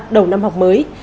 đầu năm học mới